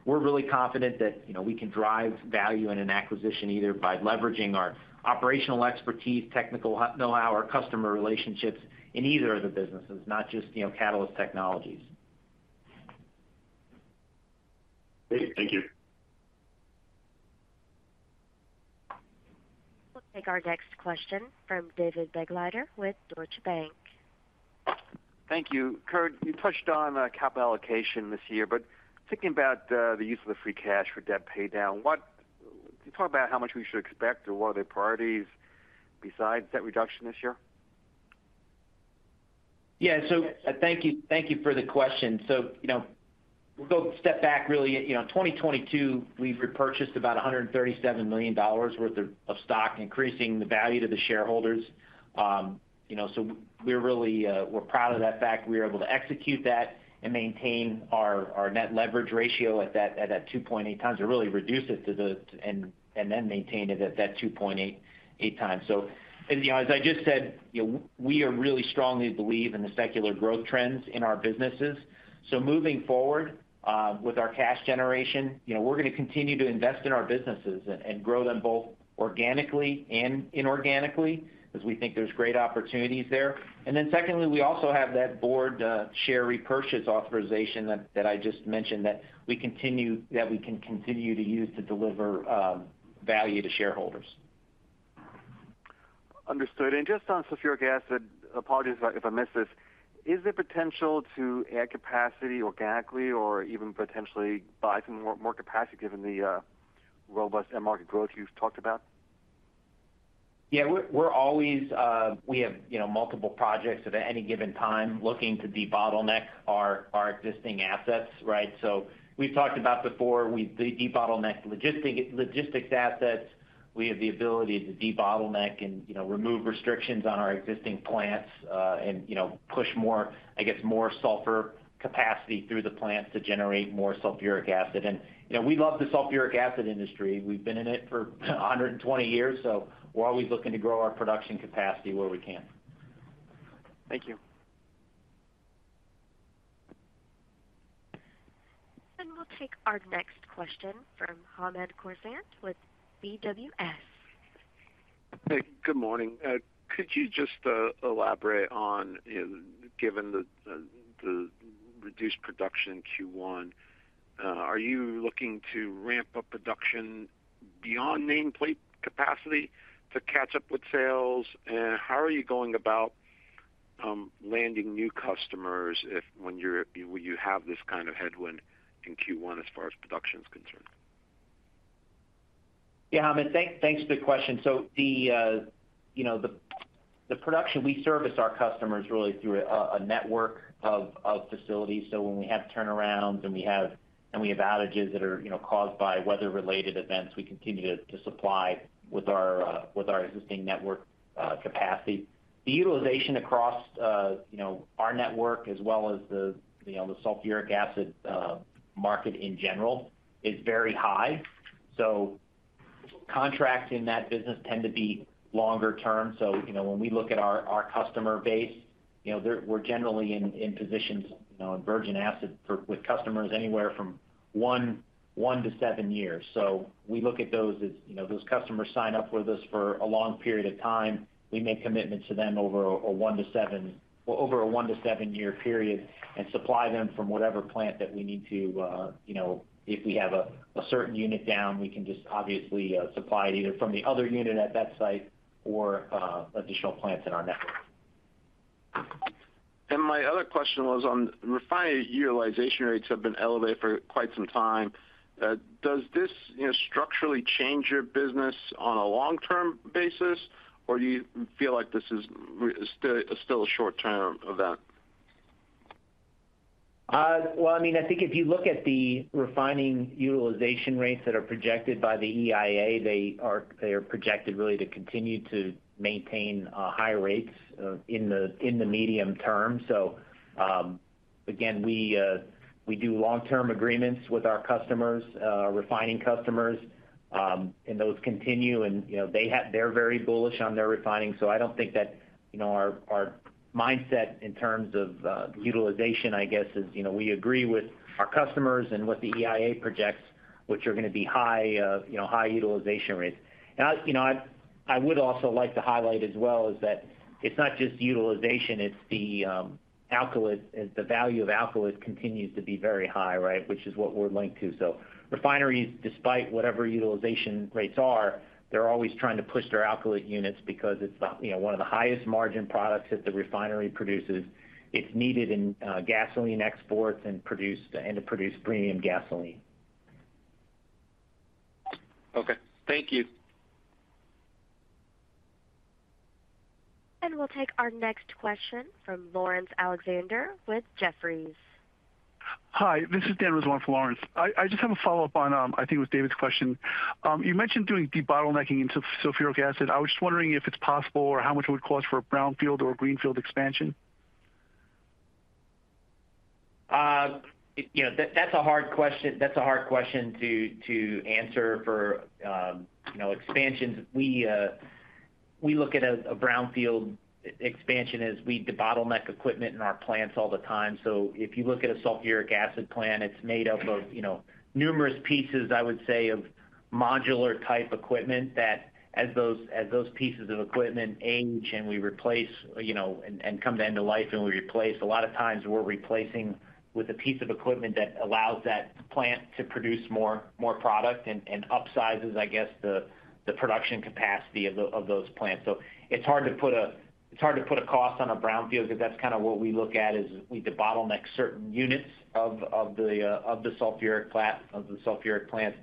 Speaker 3: We're really confident that, you know, we can drive value in an acquisition, either by leveraging our operational expertise, technical know-how, or customer relationships in either of the businesses, not just, you know, Catalyst Technologies.
Speaker 7: Great. Thank you.
Speaker 1: We'll take our next question from David Begleiter with Deutsche Bank.
Speaker 8: Thank you. Kurt, you touched on capital allocation this year, but thinking about the use of the free cash for debt pay down, can you talk about how much we should expect or what are the priorities besides debt reduction this year?
Speaker 3: Yeah. Thank you for the question. You know, we'll go step back really. You know, 2022, we've repurchased about $137 million worth of stock, increasing the value to the shareholders. You know, we're really proud of that fact. We were able to execute that and maintain our net leverage ratio at that 2.8x to really and then maintain it at that 2.8x. You know, as I just said, you know, we are really strongly believe in the secular growth trends in our businesses. Moving forward, with our cash generation, you know, we're gonna continue to invest in our businesses and grow them both organically and inorganically as we think there's great opportunities there. Secondly, we also have that board, share repurchase authorization that I just mentioned, that we can continue to use to deliver, value to shareholders.
Speaker 8: Understood. Just on sulfuric acid, apologies if I missed this. Is there potential to add capacity organically or even potentially buy some more capacity given the robust end market growth you've talked about?
Speaker 3: Yeah. We're always, we have, you know, multiple projects at any given time looking to debottleneck our existing assets, right? We've talked about before, we debottleneck logistics assets. We have the ability to debottleneck and, you know, remove restrictions on our existing plants, and, you know, push more, I guess, more sulfur capacity through the plants to generate more sulfuric acid. You know, we love the sulfuric acid industry. We've been in it for 120 years, so we're always looking to grow our production capacity where we can.
Speaker 8: Thank you.
Speaker 1: We'll take our next question from Hamed Khorsand with BWS.
Speaker 9: Hey, good morning. Could you just elaborate on, you know, given the reduced production in Q1, are you looking to ramp up production beyond nameplate capacity to catch up with sales? How are you going about landing new customers if when you have this kind of headwind in Q1 as far as production is concerned?
Speaker 3: Yeah, Hamed, thanks for the question. The, you know, the production we service our customers really through a network of facilities. When we have turnarounds and we have outages that are, you know, caused by weather-related events, we continue to supply with our existing network capacity. The utilization across, you know, our network as well as the, you know, the sulfuric acid market in general is very high. Contracts in that business tend to be longer term. You know, when we look at our customer base, you know, we're generally in positions, you know, in virgin acid with customers anywhere from one to seven years. We look at those as, you know, those customers sign up with us for a long period of time. We make commitments to them over a one to seven-year period and supply them from whatever plant that we need to. You know, if we have a certain unit down, we can just obviously, supply it either from the other unit at that site or additional plants in our network.
Speaker 9: My other question was on refinery utilization rates have been elevated for quite some time. Does this, you know, structurally change your business on a long-term basis, or do you feel like this is still a short-term event?
Speaker 3: Well, I mean, I think if you look at the refining utilization rates that are projected by the EIA, they are projected really to continue to maintain high rates in the medium term. Again, we do long-term agreements with our customers, refining customers, and those continue and, you know, they're very bullish on their refining. I don't think that, you know, our mindset in terms of utilization, I guess, is, you know, we agree with our customers and what the EIA projects, which are gonna be high, you know, high utilization rates. I, you know, I would also like to highlight as well is that it's not just utilization, it's the alkylate. It's the value of alkylate continues to be very high, right? Which is what we're linked to. Refineries, despite whatever utilization rates are, they're always trying to push their alkylate units because it's, you know, one of the highest margin products that the refinery produces. It's needed in gasoline exports and to produce premium gasoline.
Speaker 9: Okay. Thank you.
Speaker 1: We'll take our next question from Laurence Alexander with Jefferies.
Speaker 10: Hi, this is Daniel Rizzo for Laurence. I just have a follow-up on, I think it was David's question. You mentioned doing debottlenecking in sulfuric acid. I was just wondering if it's possible or how much it would cost for a brownfield or a greenfield expansion.
Speaker 3: You know, that's a hard question, that's a hard question to answer for, you know, expansions. We look at a brownfield expansion as we debottleneck equipment in our plants all the time. If you look at a sulfuric acid plant, it's made up of, you know, numerous pieces, I would say, of modular type equipment that as those pieces of equipment age and we replace, you know, and come to end of life and we replace, a lot of times we're replacing with a piece of equipment that allows that plant to produce more, more product and upsizes, I guess the production capacity of those plants. It's hard to put a cost on a brownfield because that's kinda what we look at, is we could bottleneck certain units of the sulfuric plant.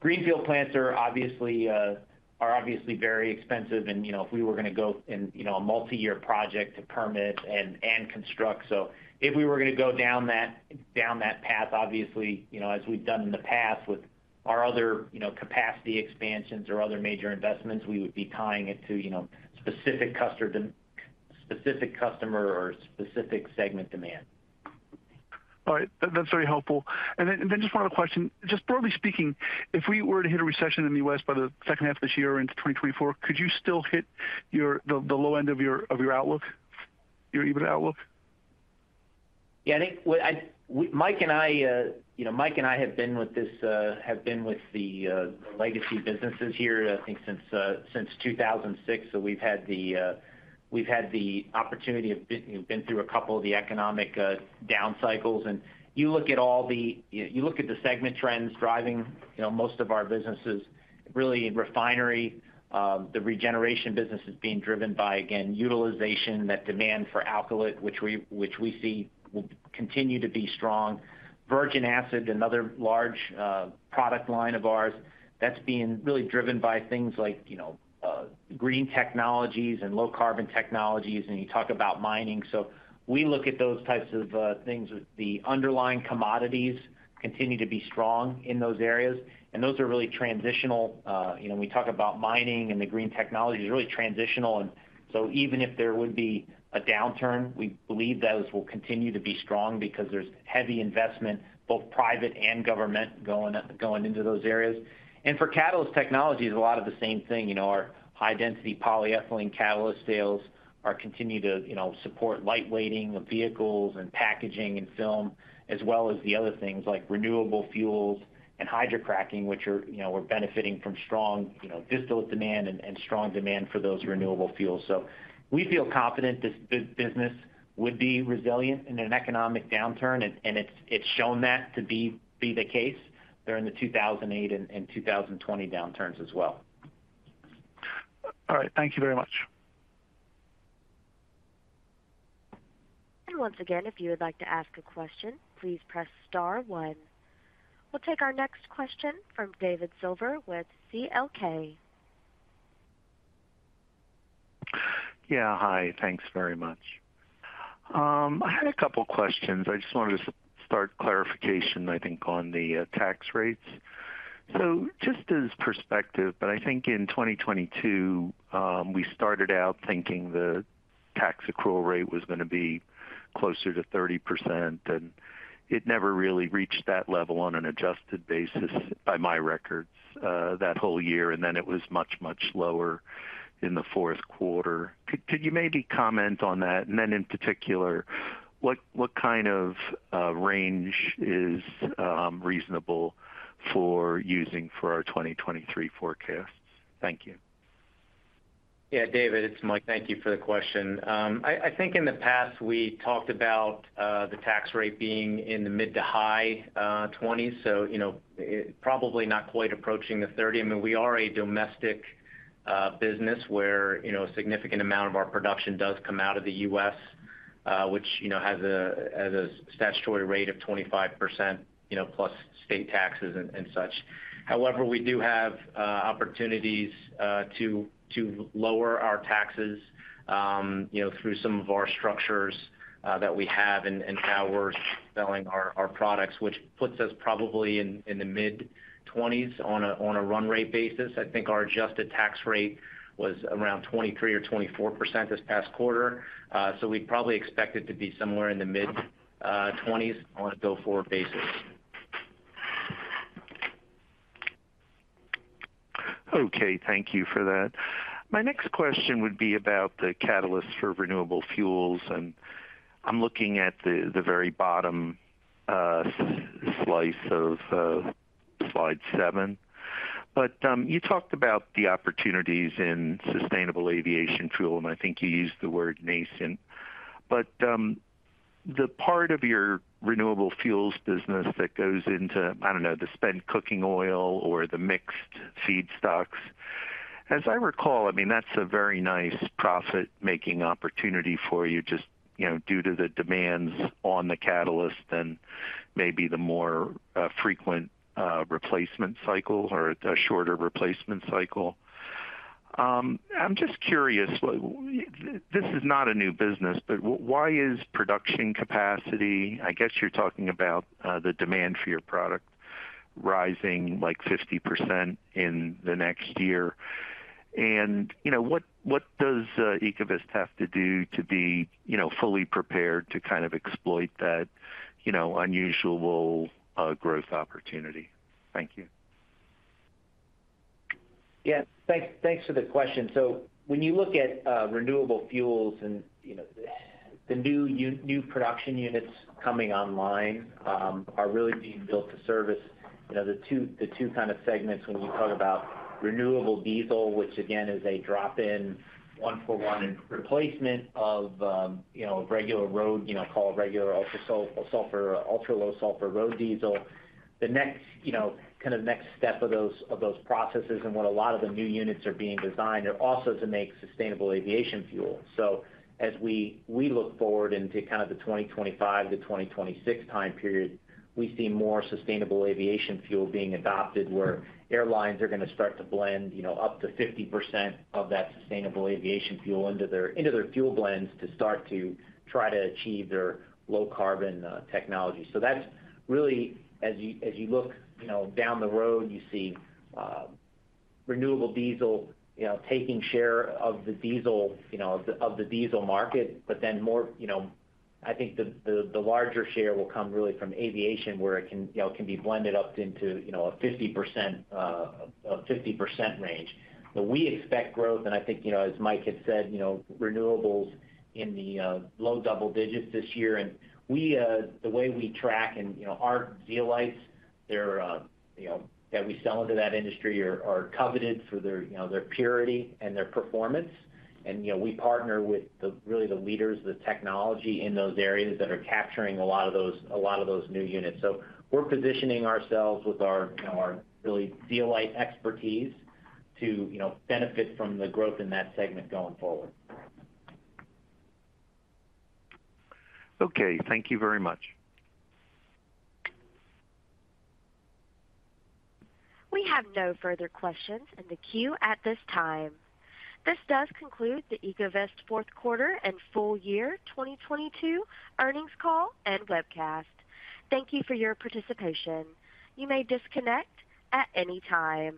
Speaker 3: Greenfield plants are obviously, are obviously very expensive and, you know, if we were gonna go in, you know, a multi-year project to permit and construct. If we were gonna go down that path, obviously, you know, as we've done in the past with our other, you know, capacity expansions or other major investments, we would be tying it to, you know, specific customer or specific segment demand.
Speaker 10: All right. That's very helpful. Just one other question. Just broadly speaking, if we were to hit a recession in the U.S. by the second half of this year into 2024, could you still hit the low end of your outlook, your EBIT outlook?
Speaker 3: Yeah, I think Mike and I, you know, Mike and I have been with this, have been with the legacy businesses here, I think since 2006. We've had the opportunity of been through a couple of the economic down cycles. You look at the segment trends driving, you know, most of our businesses, really in refinery, the regeneration business is being driven by, again, utilization. That demand for alkylate, which we see will continue to be strong. Virgin acid, another large product line of ours, that's being really driven by things like, you know, green technologies and low carbon technologies, and you talk about mining. We look at those types of things. The underlying commodities continue to be strong in those areas. Those are really transitional. You know, when we talk about mining and the green technologies, really transitional. Even if there would be a downturn, we believe those will continue to be strong because there's heavy investment, both private and government going into those areas. For Catalyst Technologies, a lot of the same thing. You know, our high density polyethylene catalyst sales are continue to, you know, support light weighting of vehicles and packaging and film, as well as the other things like renewable fuels and hydrocracking, which are, you know, are benefiting from strong, you know, distillate demand and strong demand for those renewable fuels. We feel confident this business would be resilient in an economic downturn and it's shown that to be the case during the 2008 and 2020 downturns as well.
Speaker 10: All right. Thank you very much.
Speaker 1: Once again, if you would like to ask a question, please press star one. We'll take our next question from David Silver with C.L. King.
Speaker 11: Yeah. Hi. Thanks very much. I had a couple questions. I just wanted to start clarification, I think, on the tax rates. Just as perspective, but I think in 2022, we started out thinking the tax accrual rate was gonna be closer to 30%, and it never really reached that level on an adjusted basis by my records, that whole year, and then it was much, much lower in the fourth quarter. Could you maybe comment on that? In particular, what kind of range is reasonable for using for our 2023 forecasts? Thank you.
Speaker 4: Yeah, David, it's Mike. Thank you for the question. I think in the past we talked about the tax rate being in the mid to high 20s. You know, probably not quite approaching the 30. I mean, we are a domestic business where, you know, a significant amount of our production does come out of the U.S., which, you know, has a statutory rate of 25%, you know, plus state taxes and such. However, we do have opportunities to lower our taxes, you know, through some of our structures that we have and how we're selling our products, which puts us probably in the mid-20s on a run rate basis. I think our adjusted tax rate was around 23% or 24% this past quarter. We'd probably expect it to be somewhere in the mid, twenties on a go-forward basis.
Speaker 8: Okay. Thank you for that. My next question would be about the catalyst for renewable fuels, and I'm looking at the very bottom slice of slide seven. You talked about the opportunities in sustainable aviation fuel, and I think you used the word nascent. The part of your renewable fuels business that goes into, I don't know, the spent cooking oil or the mixed feedstocks, as I recall, I mean, that's a very nice profit-making opportunity for you just, you know, due to the demands on the catalyst and maybe the more frequent replacement cycle or a shorter replacement cycle. I'm just curious, this is not a new business, but why is production capacity, I guess you're talking about, the demand for your product rising, like, 50% in the next year? You know, what does Ecovyst have to do to be, you know, fully prepared to kind of exploit that, you know, unusual growth opportunity? Thank you.
Speaker 3: Yeah. Thanks for the question. When you look at renewable fuels and, you know, the new production units coming online, are really being built to service, you know, the two kind of segments when you talk about renewable diesel, which again is a drop-in one-for-one replacement of, you know, regular road, you know, call it regular ultra sulfur, ultra-low sulfur road diesel. The next, you know, kind of next step of those processes and what a lot of the new units are being designed are also to make sustainable aviation fuel. As we look forward into kind of the 2025 to 2026 time period, we see more sustainable aviation fuel being adopted, where airlines are gonna start to blend, you know, up to 50% of that sustainable aviation fuel into their, into their fuel blends to start to try to achieve their low carbon technology. That's really, as you look, you know, down the road, you see renewable diesel, you know, taking share of the diesel, you know, of the diesel market. More, you know, I think the larger share will come really from aviation where it can, you know, be blended up into, you know, a 50% range. We expect growth and I think, you know, as Mike had said, you know, renewables in the low double digits this year. We, the way we track and, you know, our zeolites, they're, you know, that we sell into that industry are coveted for their, you know, their purity and their performance. We, you know, we partner with really the leaders of the technology in those areas that are capturing a lot of those new units. We're positioning ourselves with our, you know, our really zeolite expertise to, you know, benefit from the growth in that segment going forward.
Speaker 8: Okay. Thank you very much.
Speaker 1: We have no further questions in the queue at this time. This does conclude the Ecovyst fourth quarter and full year 2022 earnings call and webcast. Thank you for your participation. You may disconnect at any time.